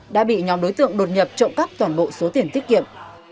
đã bị nhóm đối tượng đột nhập trộm cắp toàn bộ số tiền tiết kiệm